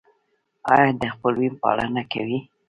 ایا د خپلوۍ پالنه کوئ؟